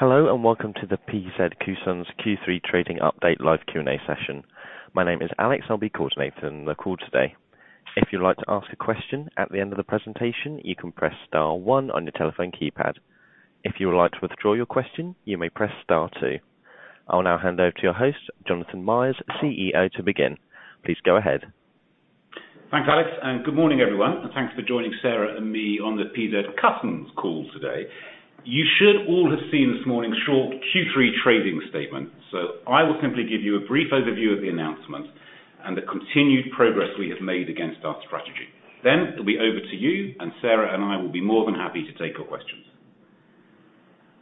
Hello, and welcome to the PZ Cussons Q3 trading update live Q&A session. My name is Alex. I'll be coordinating the call today. If you'd like to ask a question at the end of the presentation, you can press star one on your telephone keypad. If you would like to withdraw your question, you may press star two. I'll now hand over to your host, Jonathan Myers, CEO, to begin. Please go ahead. Thanks, Alex. Good morning, everyone. Thanks for joining Sarah and me on the PZ Cussons call today. You should all have seen this morning's short Q3 trading statement. I will simply give you a brief overview of the announcement and the continued progress we have made against our strategy. It'll be over to you and Sarah and I will be more than happy to take your questions.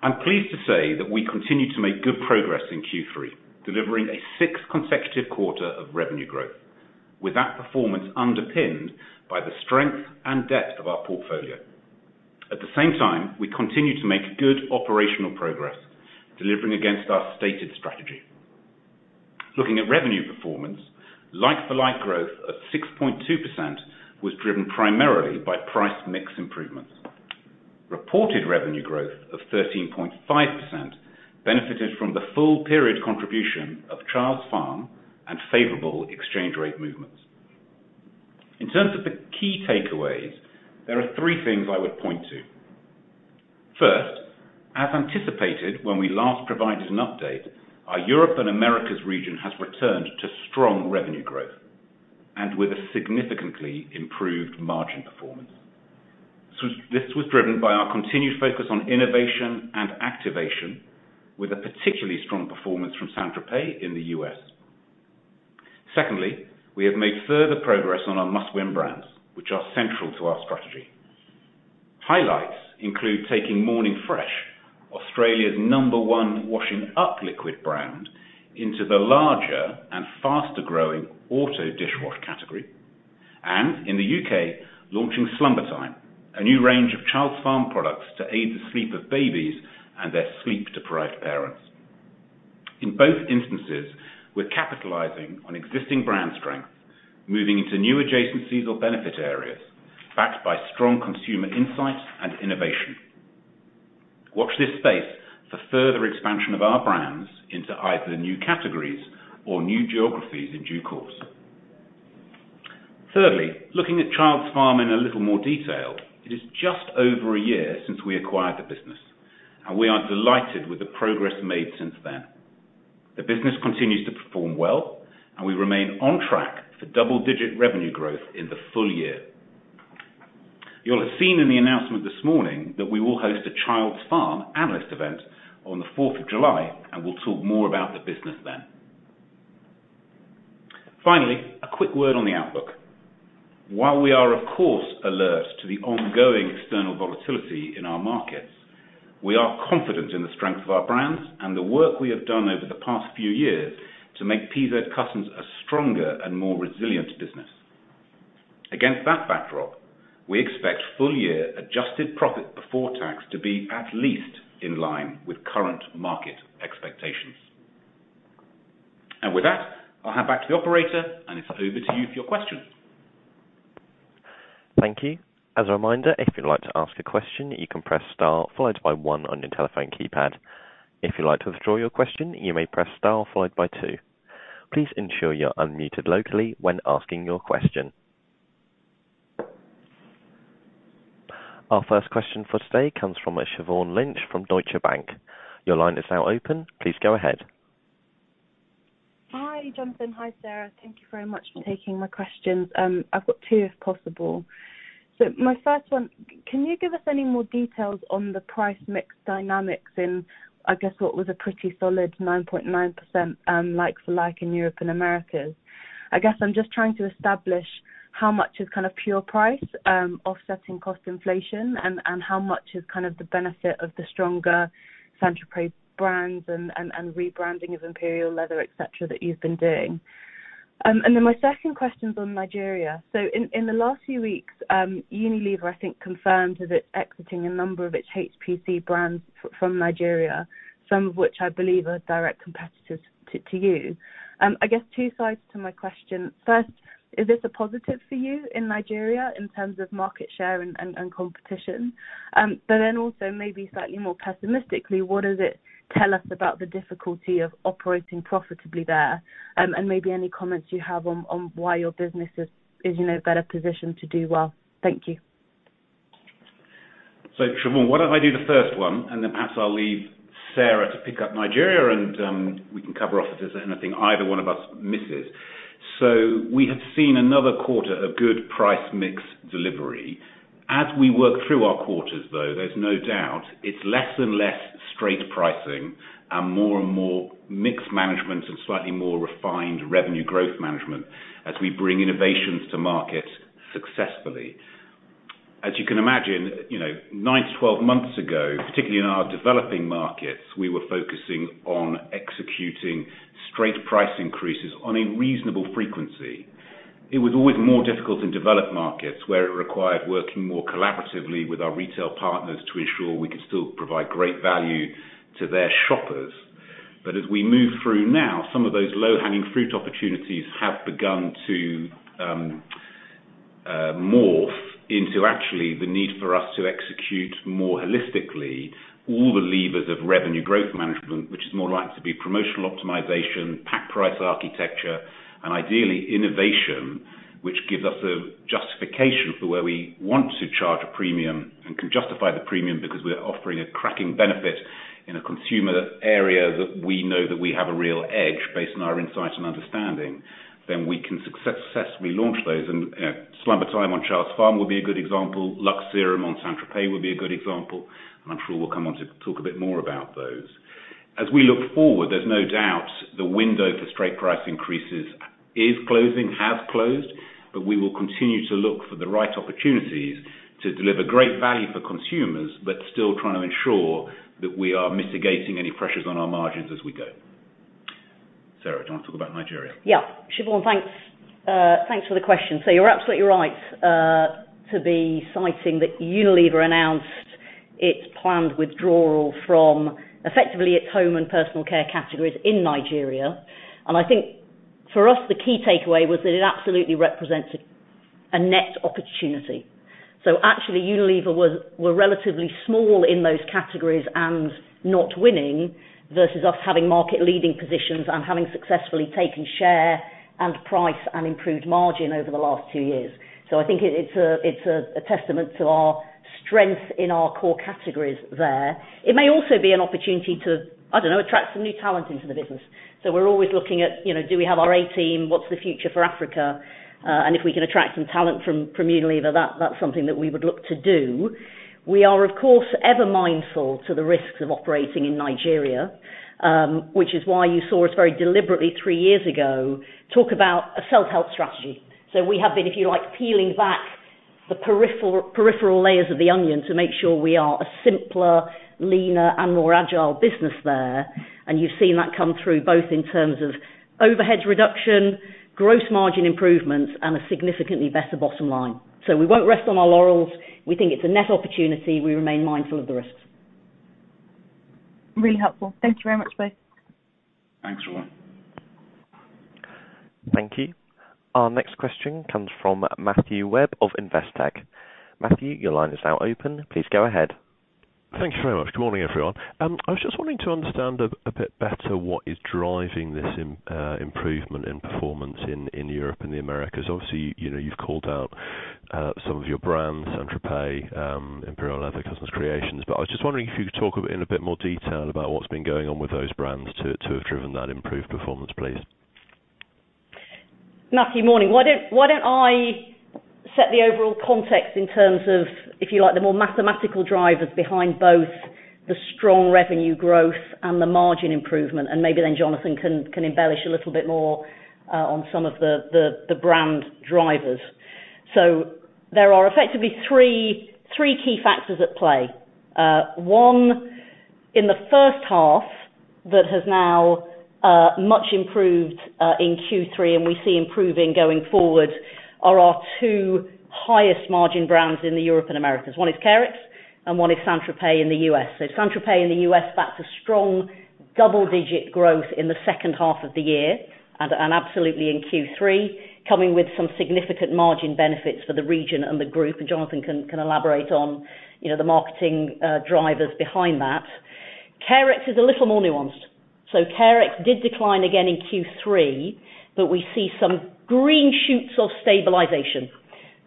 I'm pleased to say that we continue to make good progress in Q3, delivering a sixth consecutive quarter of revenue growth. With that performance underpinned by the strength and depth of our portfolio. At the same time, we continue to make good operational progress, delivering against our stated strategy. Looking at revenue performance, like-for-like growth of 6.2% was driven primarily by price mix improvements. Reported revenue growth of 13.5% benefited from the full period contribution of Childs Farm and favorable exchange rate movements. In terms of the key takeaways, there are three things I would point to. First, as anticipated when we last provided an update, our Europe and Americas region has returned to strong revenue growth and with a significantly improved margin performance. This was driven by our continued focus on innovation and activation, with a particularly strong performance from St. Tropez in the U.S. Secondly, we have made further progress on our Must Win Brands, which are central to our strategy. Highlights include taking Morning Fresh, Australia's number one washing up liquid brand, into the larger and faster-growing auto-dishwash category, and in the U.K., launching SlumberTime, a new range of Childs Farm products to aid the sleep of babies and their sleep-deprived parents. In both instances, we're capitalizing on existing brand strength, moving into new adjacencies or benefit areas backed by strong consumer insights and innovation. Watch this space for further expansion of our brands into either new categories or new geographies in due course. Looking at Childs Farm in a little more detail, it is just over a year since we acquired the business, we are delighted with the progress made since then. The business continues to perform well, we remain on track for double-digit revenue growth in the full year. You'll have seen in the announcement this morning that we will host a Childs Farm analyst event on the 4th of July, we'll talk more about the business then. A quick word on the outlook. While we are of course alert to the ongoing external volatility in our markets, we are confident in the strength of our brands and the work we have done over the past few years to make PZ Cussons a stronger and more resilient business. Against that backdrop, we expect full year adjusted profit before tax to be at least in line with current market expectations. With that, I'll hand back to the operator and it's over to you for your questions. Thank you. As a reminder, if you'd like to ask a question, you can press star followed by one on your telephone keypad. If you'd like to withdraw your question, you may press star followed by two. Please ensure you're unmuted locally when asking your question. Our first question for today comes from Siobhan Lynch from Deutsche Bank. Your line is now open. Please go ahead. Hi, Jonathan. Hi, Sarah. Thank you very much for taking my questions. I've got two if possible. My first one, can you give us any more details on the price mix dynamics in, I guess, what was a pretty solid 9.9% like-for-like in Europe and Americas? I guess I'm just trying to establish how much is kind of pure price offsetting cost inflation and how much is kind of the benefit of the stronger St. Tropez brands and rebranding of Imperial Leather, et cetera, that you've been doing. My second question is on Nigeria. In the last few weeks, Unilever, I think, confirmed that it's exiting a number of its HPC brands from Nigeria, some of which I believe are direct competitors to you. I guess two sides to my question. First, is this a positive for you in Nigeria in terms of market share and competition? Also maybe slightly more pessimistically, what does it tell us about the difficulty of operating profitably there? Maybe any comments you have on why your business is, you know, better positioned to do well. Thank you. Siobhan, why don't I do the first one and then perhaps I'll leave Sarah to pick up Nigeria and we can cover off if there's anything either one of us misses. As we work through our quarters, though, there's no doubt it's less and less straight pricing and more and more mix management and slightly more refined revenue growth management as we bring innovations to market successfully. As you can imagine, you know, nine to 12 months ago, particularly in our developing markets, we were focusing on executing straight price increases on a reasonable frequency. It was always more difficult in developed markets, where it required working more collaboratively with our retail partners to ensure we could still provide great value to their shoppers. As we move through now, some of those low-hanging fruit opportunities have begun to morph into actually the need for us to execute more holistically all the levers of revenue growth management, which is more likely to be promotional optimization, pack price architecture, and ideally innovation, which gives us a justification for where we want to charge a premium and can justify the premium because we're offering a cracking benefit in a consumer area that we know that we have a real edge based on our insight and understanding, then we can successfully launch those. SlumberTime on Childs Farm will be a good example. Luxe Serum on St. Tropez will be a good example. I'm sure we'll come on to talk a bit more about those. As we look forward, there's no doubt the window for straight price increases is closing, has closed, but we will continue to look for the right opportunities to deliver great value for consumers, but still trying to ensure that we are mitigating any pressures on our margins as we go. Sarah, do you wanna talk about Nigeria? Yeah. Siobhan, thanks for the question. You're absolutely right to be citing that Unilever announced its planned withdrawal from effectively its home and personal care categories in Nigeria. I think for us, the key takeaway was that it absolutely represents a net opportunity. Actually, Unilever were relatively small in those categories and not winning versus us having market leading positions and having successfully taken share and price and improved margin over the last two years. I think it's a testament to our strength in our core categories there. It may also be an opportunity to, I don't know, attract some new talent into the business. We're always looking at, you know, do we have our A team? What's the future for Africa? If we can attract some talent from Unilever, that's something that we would look to do. We are, of course, ever mindful to the risks of operating in Nigeria, which is why you saw us very deliberately three years ago, talk about a self-help strategy. We have been, if you like, peeling back the peripheral layers of the onion to make sure we are a simpler, leaner, and more agile business there. You've seen that come through both in terms of overhead reduction, gross margin improvements, and a significantly better bottom line. We won't rest on our laurels. We think it's a net opportunity. We remain mindful of the risks. Really helpful. Thank you very much, both. Thanks, Siobhan. Thank you. Our next question comes from Matthew Webb of Investec. Matthew, your line is now open. Please go ahead. Thank you very much. Good morning, everyone. I was just wanting to understand a bit better what is driving this improvement in performance in Europe and the Americas. Obviously, you know, you've called out some of your brands, St. Tropez, Imperial Leather, Cussons Creations. I was just wondering if you could talk a bit, in a bit more detail about what's been going on with those brands to have driven that improved performance, please. Matthew, morning. Why don't I set the overall context in terms of, if you like, the more mathematical drivers behind both the strong revenue growth and the margin improvement, and maybe then Jonathan can embellish a little bit more on some of the brand drivers. There are effectively three key factors at play. One in the first half that has now much improved in Q3, and we see improving going forward are our two highest margin brands in the Europe and Americas. One is Carex and one is St. Tropez in the U.S. St. Tropez in the U.S., that's a strong double-digit growth in the second half of the year and absolutely in Q3, coming with some significant margin benefits for the region and the group. Jonathan can elaborate on, you know, the marketing drivers behind that. Carex is a little more nuanced. Carex did decline again in Q3, but we see some green shoots of stabilization.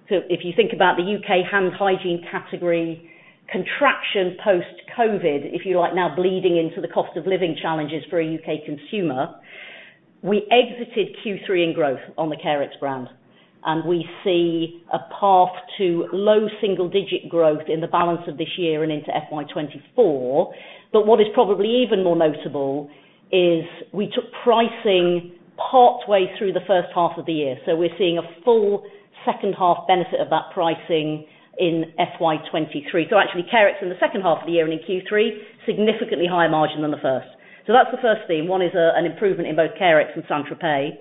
If you think about the U.K. hand hygiene category, contraction post-COVID, if you like, now bleeding into the cost of living challenges for a U.K. consumer, we exited Q3 in growth on the Carex brand, and we see a path to low single-digit growth in the balance of this year and into FY2024. What is probably even more notable is we took pricing partway through the first half of the year. We're seeing a full second half benefit of that pricing in FY2023. Actually, Carex in the second half of the year and in Q3, significantly higher margin than the first. That's the first theme. One is an improvement in both Carex and St. Tropez.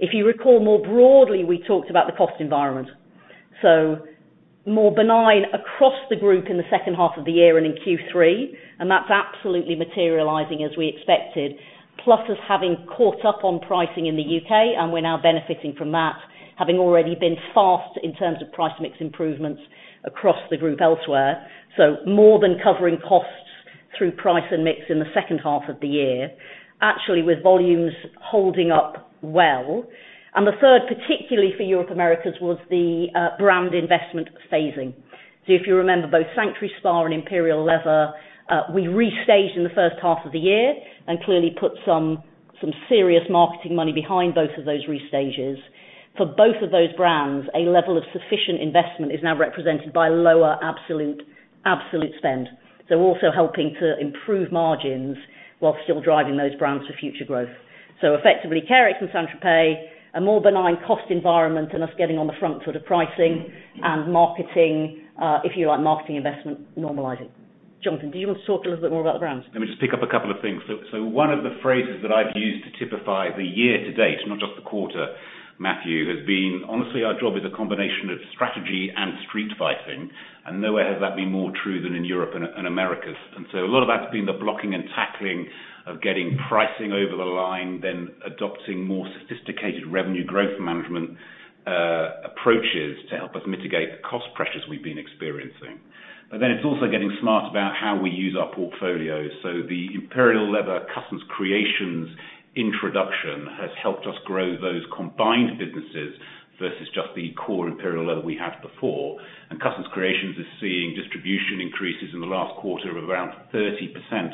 If you recall, more broadly, we talked about the cost environment. More benign across the group in the second half of the year and in Q3, and that's absolutely materializing as we expected. Plus, us having caught up on pricing in the U.K., and we're now benefiting from that, having already been fast in terms of price mix improvements across the group elsewhere. More than covering costs through price and mix in the second half of the year, actually with volumes holding up well. The third, particularly for Europe, Americas, was the brand investment phasing. If you remember both Sanctuary Spa and Imperial Leather, we restaged in the first half of the year and clearly put some serious marketing money behind both of those restages. For both of those brands, a level of sufficient investment is now represented by lower absolute spend. Also helping to improve margins while still driving those brands for future growth. Effectively, Carex and St. Tropez, a more benign cost environment and us getting on the front sort of pricing and marketing, if you like, marketing investment normalizing. Jonathan, do you want to talk a little bit more about the brands? Let me just pick up a couple of things. One of the phrases that I've used to typify the year to date, not just the quarter, Matthew, has been honestly, our job is a combination of strategy and street fighting, and nowhere has that been more true than in Europe and Americas. A lot of that's been the blocking and tackling of getting pricing over the line, then adopting more sophisticated revenue growth management approaches to help us mitigate the cost pressures we've been experiencing. It's also getting smart about how we use our portfolios. The Imperial Leather Cussons Creations introduction has helped us grow those combined businesses versus just the core Imperial Leather we had before. Cussons Creations is seeing distribution increases in the last quarter of around 30%,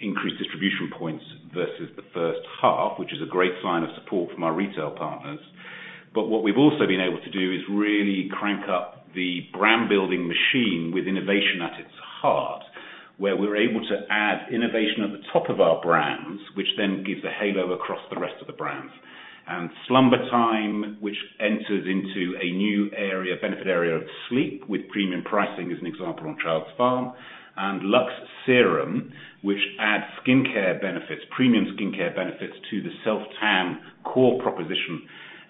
increased distribution points versus the first half, which is a great sign of support from our retail partners. What we've also been able to do is really crank up the brand-building machine with innovation at its heart, where we're able to add innovation at the top of our brands, which then gives a halo across the rest of the brands. SlumberTime, which enters into a new area, benefit area of sleep with premium pricing, as an example on Childs Farm, and Luxe Serum, which adds skincare benefits, premium skincare benefits to the self-tan core proposition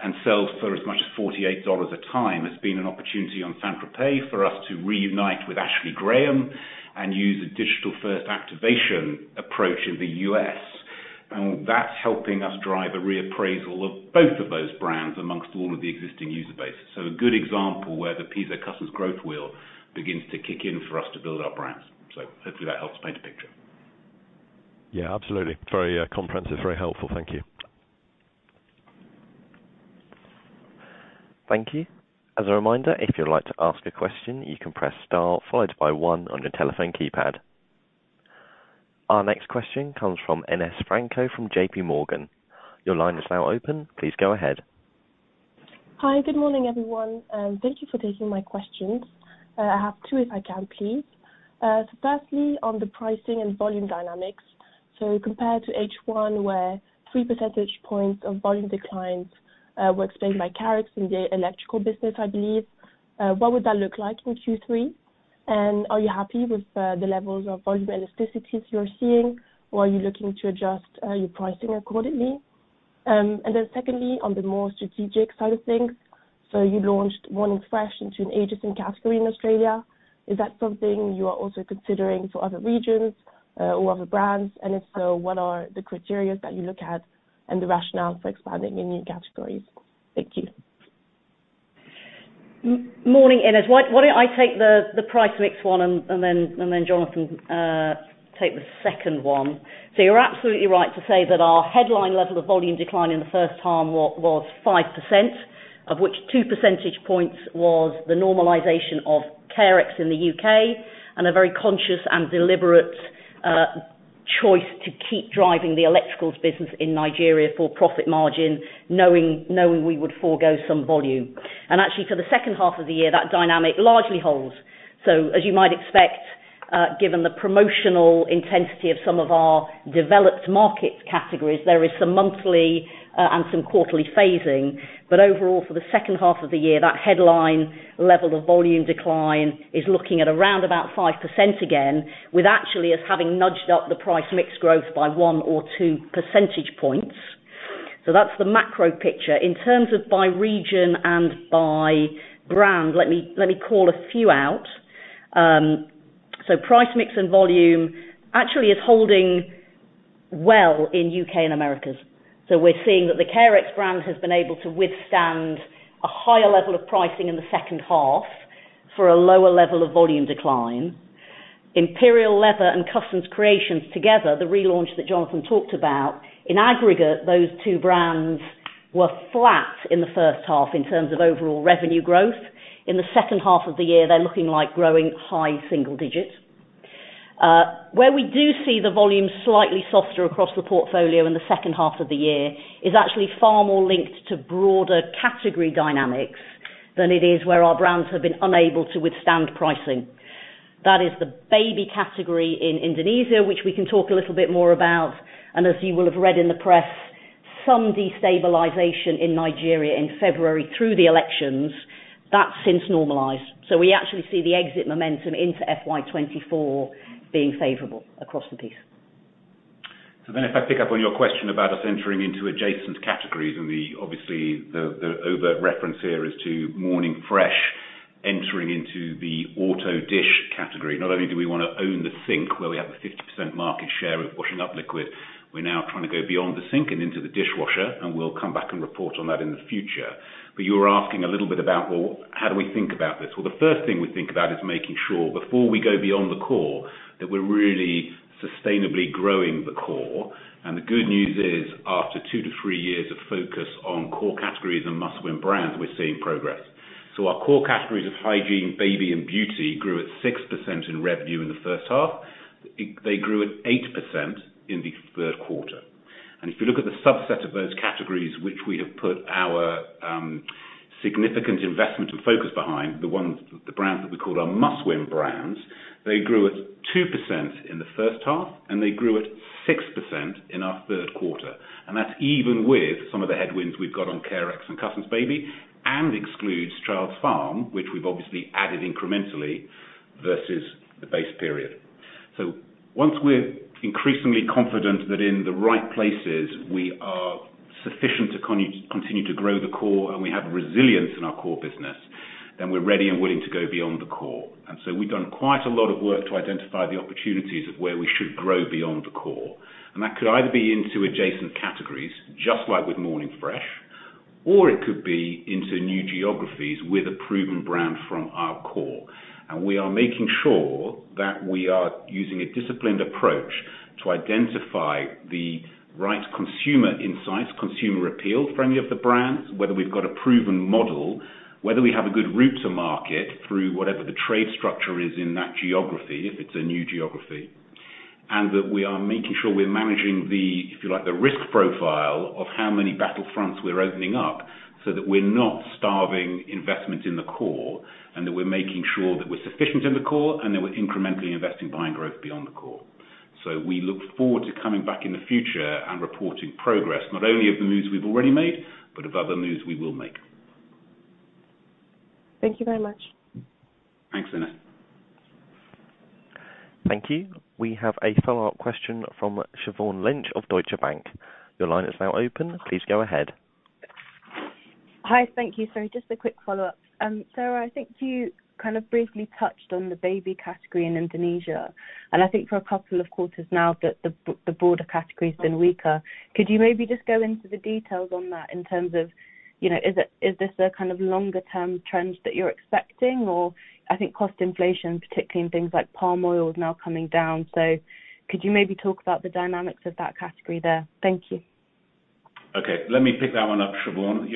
and sells for as much as $48 a time. It's been an opportunity on St. Tropez for us to reunite with Ashley Graham and use a digital-first activation approach in the U.S. That's helping us drive a reappraisal of both of those brands amongst all of the existing user bases. A good example where the PZ Cussons Growth Wheel begins to kick in for us to build our brands. Hopefully that helps paint a picture. Yeah, absolutely. Very comprehensive. Very helpful. Thank you. Thank you. As a reminder, if you'd like to ask a question, you can press star followed by one on your telephone keypad. Our next question comes from Ines Franco from JP Morgan. Your line is now open. Please go ahead. Hi. Good morning, everyone, and thank you for taking my questions. I have two if I can, please. Firstly, on the pricing and volume dynamics. Compared to H1, where 3 percentage points of volume declines were explained by Carex in the electrical business, I believe, what would that look like in Q3? Are you happy with the levels of volume elasticities you're seeing, or are you looking to adjust your pricing accordingly? Secondly, on the more strategic side of things. You launched Morning Fresh into an adjacent category in Australia. Is that something you are also considering for other regions or other brands? If so, what are the criterias that you look at and the rationale for expanding in new categories? Thank you. Morning, Ines. Why don't I take the price mix one and then Jonathan take the second one? You're absolutely right to say that our headline level of volume decline in the first half was 5%, of which 2 percentage points was the normalization of Carex in the U.K. and a very conscious and deliberate choice to keep driving the electricals business in Nigeria for profit margin, knowing we would forgo some volume. Actually, for the second half of the year, that dynamic largely holds. As you might expect, given the promotional intensity of some of our developed market categories, there is some monthly and some quarterly phasing. Overall, for the second half of the year, that headline level of volume decline is looking at around about 5% again, with actually us having nudged up the price mix growth by 1 or 2 percentage points. That's the macro picture. In terms of by region and by brand, let me call a few out. Price mix and volume actually is holding well in U.K. and Americas. We're seeing that the Carex brand has been able to withstand a higher level of pricing in the second half for a lower level of volume decline. Imperial Leather and Cussons Creations together, the relaunch that Jonathan talked about, in aggregate, those two brands were flat in the first half in terms of overall revenue growth. In the second half of the year, they're looking like growing high single digits. Where we do see the volume slightly softer across the portfolio in the second half of the year is actually far more linked to broader category dynamics than it is where our brands have been unable to withstand pricing. That is the baby category in Indonesia, which we can talk a little bit more about, and as you will have read in the press, some destabilization in Nigeria in February through the elections. That's since normalized. We actually see the exit momentum into FY2024 being favorable across the piece. If I pick up on your question about us entering into adjacent categories and the obviously the overt reference here is to Morning Fresh entering into the auto dish category. Not only do we wanna own the sink where we have a 50% market share of washing up liquid, we're now trying to go beyond the sink and into the dishwasher, and we'll come back and report on that in the future. You were asking a little bit about, well, how do we think about this? Well, the first thing we think about is making sure before we go beyond the core, that we're really sustainably growing the core. The good news is, after two to three years of focus on core categories and Must Win Brands, we're seeing progress. Our core categories of hygiene, baby and beauty grew at 6% in revenue in the first half. They grew at 8% in the third quarter. If you look at the subset of those categories which we have put our significant investment and focus behind, the brands that we call our Must Win Brands, they grew at 2% in the first half, and they grew at 6% in our third quarter. That's even with some of the headwinds we've got on Carex and Cussons Baby and excludes Childs Farm, which we've obviously added incrementally versus the base period. Once we're increasingly confident that in the right places we are sufficient to continue to grow the core and we have resilience in our core business, then we're ready and willing to go beyond the core. We've done quite a lot of work to identify the opportunities of where we should grow beyond the core. That could either be into adjacent categories, just like with Morning Fresh, or it could be into new geographies with a proven brand from our core. We are making sure that we are using a disciplined approach to identify the right consumer insights, consumer appeal from any of the brands, whether we've got a proven model, whether we have a good route to market through whatever the trade structure is in that geography, if it's a new geography. That we are making sure we're managing the, if you like, the risk profile of how many battlefronts we're opening up so that we're not starving investment in the core, and that we're making sure that we're sufficient in the core, and that we're incrementally investing behind growth beyond the core. We look forward to coming back in the future and reporting progress, not only of the moves we've already made, but of other moves we will make. Thank you very much. Thanks, Ines. Thank you. We have a follow-up question from Siobhan Lynch of Deutsche Bank. Your line is now open. Please go ahead. Hi. Thank you, sir. Just a quick follow-up. Sir, I think you kind of briefly touched on the baby category in Indonesia. I think for a couple of quarters now that the broader category has been weaker. Could you maybe just go into the details on that in terms of, you know, is this a kind of longer term trend that you're expecting? Or I think cost inflation, particularly in things like palm oil, is now coming down. Could you maybe talk about the dynamics of that category there? Thank you. Okay. Let me pick that one up, Siobhan.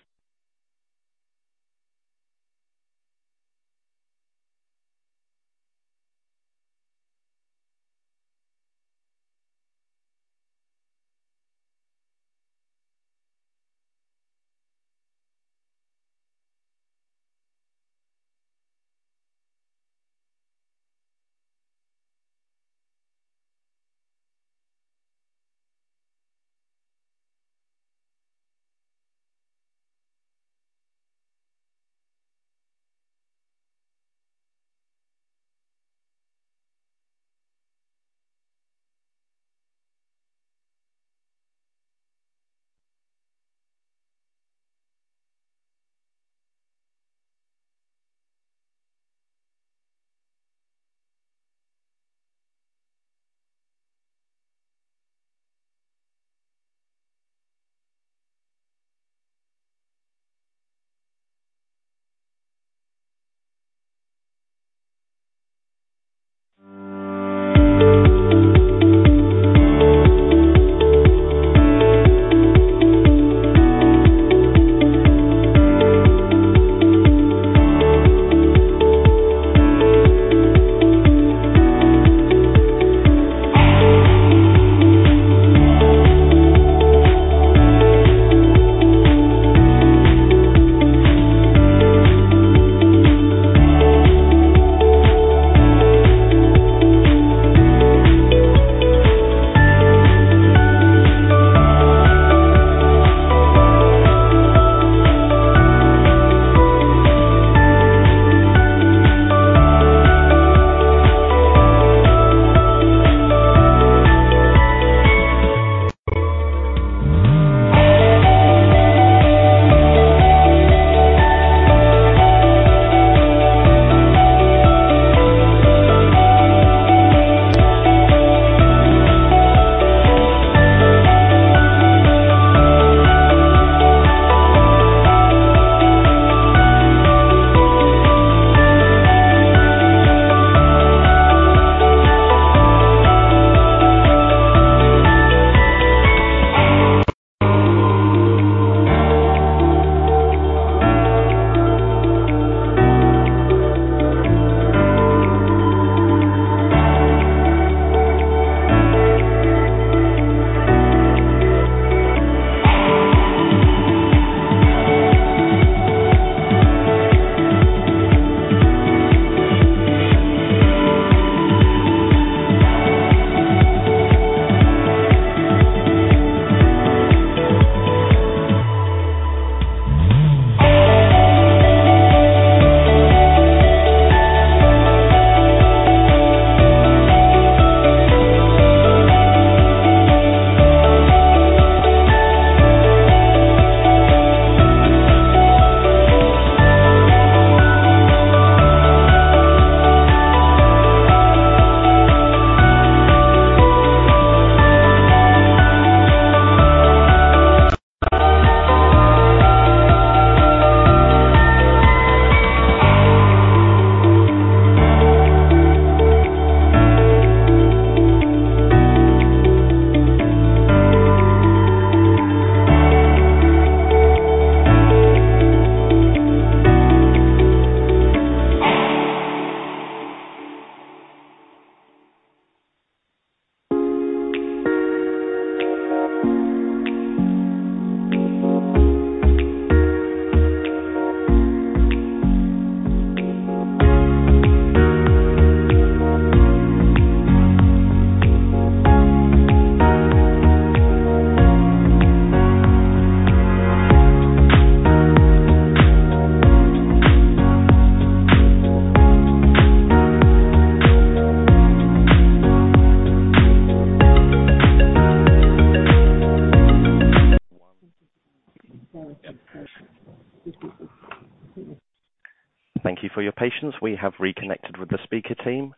Thank you for your patience. We have reconnected with the speaker team.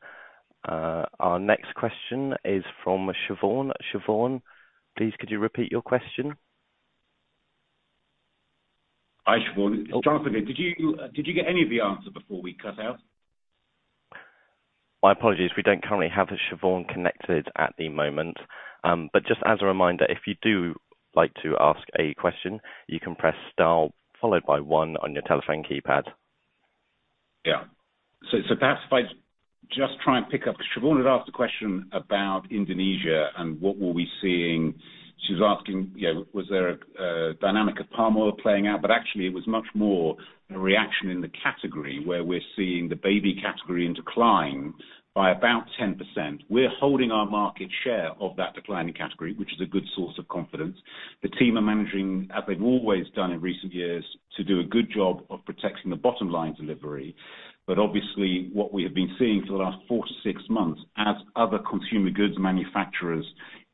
Our next question is from Siobhan. Siobhan, please could you repeat your question? Hi, Siobhan. Jonathan here. Did you get any of the answer before we cut out? My apologies. We don't currently have Siobhan connected at the moment. Just as a reminder, if you do like to ask a question, you can press star followed by one on your telephone keypad. Perhaps if I just try and pick up. Siobhan had asked a question about Indonesia and what were we seeing. She was asking, you know, was there a dynamic of palm oil playing out? Actually it was much more a reaction in the category where we're seeing the baby category in decline by about 10%. We're holding our market share of that declining category, which is a good source of confidence. The team are managing, as they've always done in recent years, to do a good job of protecting the bottom line delivery. Obviously what we have been seeing for the last four to six months as other consumer goods manufacturers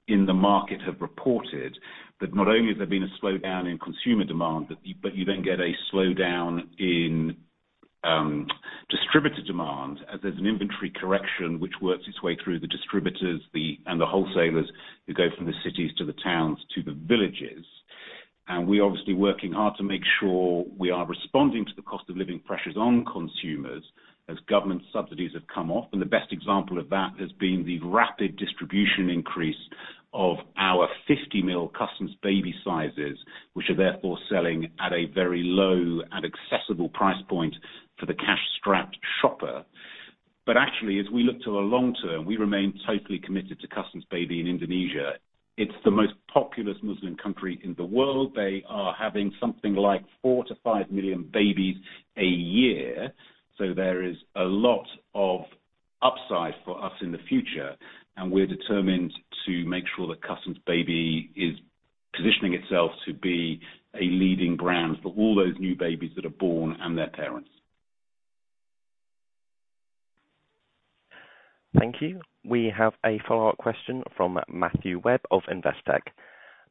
in the market have reported, that not only has there been a slowdown in consumer demand, but you then get a slowdown in distributor demand as there's an inventory correction which works its way through the distributors and the wholesalers who go from the cities to the towns to the villages. We're obviously working hard to make sure we are responding to the cost of living pressures on consumers as government subsidies have come off. The best example of that has been the rapid distribution increase of our 50 mil Cussons Baby sizes, which are therefore selling at a very low and accessible price point for the cash-strapped shopper. Actually, as we look to the long term, we remain totally committed to Cussons Baby in Indonesia. It's the most populous Muslim country in the world. They are having something like 4 million-5 million babies a year. There is a lot of upside for us in the future. We're determined to make sure that Cussons Baby is positioning itself to be a leading brand for all those new babies that are born and their parents. Thank you. We have a follow-up question from Matthew Webb of Investec.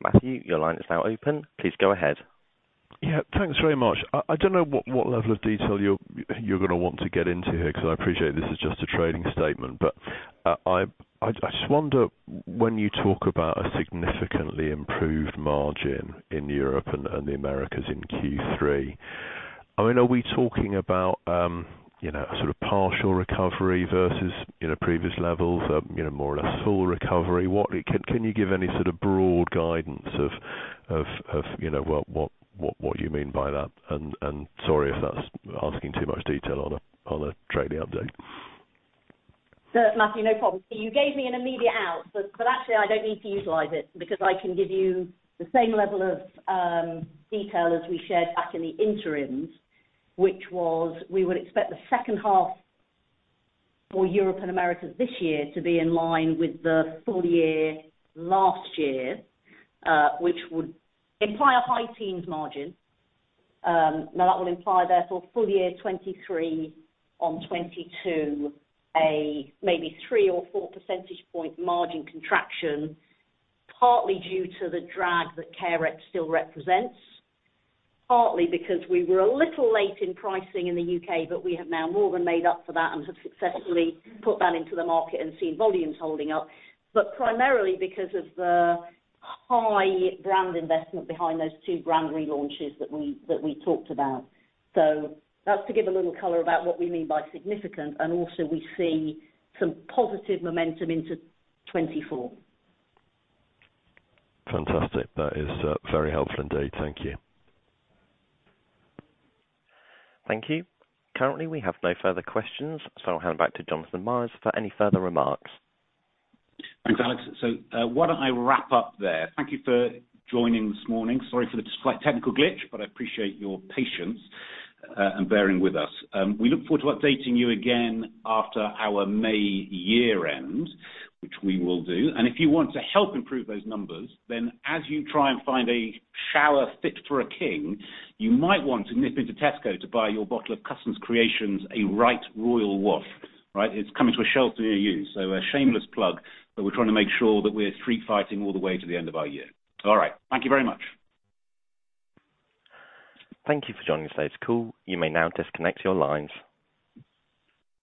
Matthew, your line is now open. Please go ahead. Yeah, thanks very much. I don't know what level of detail you're gonna want to get into here, 'cause I appreciate this is just a trading statement. I just wonder, when you talk about a significantly improved margin in Europe and the Americas in Q3, I mean, are we talking about, you know, a sort of partial recovery versus, you know, previous levels of, you know, more or less full recovery? Can you give any sort of broad guidance of, you know, what you mean by that? Sorry if that's asking too much detail on a, on a trading update. Matthew, no problem. You gave me an immediate out, but actually I don't need to utilize it because I can give you the same level of detail as we shared back in the interims, which was we would expect the second half for Europe and Americas this year to be in line with the full year last year, which would imply a high teens margin. Now that will imply therefore FY2023 on FY2022, a maybe three or four percentage point margin contraction, partly due to the drag that Carex still represents, partly because we were a little late in pricing in the U.K., but we have now more than made up for that and have successfully put that into the market and seen volumes holding up, but primarily because of the high brand investment behind those two brand relaunches that we talked about. That's to give a little color about what we mean by significant, and also we see some positive momentum into 2024. Fantastic. That is very helpful indeed. Thank you. Thank you. Currently, we have no further questions, so I'll hand back to Jonathan Myers for any further remarks. Thanks, Alex. Why don't I wrap up there? Thank you for joining this morning. Sorry for the slight technical glitch, but I appreciate your patience, and bearing with us. We look forward to updating you again after our May year-end, which we will do. If you want to help improve those numbers, then as you try and find a shower fit for a king, you might want to nip into Tesco to buy your bottle of Cussons Creations, A Right Royal Wash, right? It's coming to a shelf near you. A shameless plug, but we're trying to make sure that we're street fighting all the way to the end of our year. All right. Thank you very much. Thank you for joining us today's call. You may now disconnect your lines.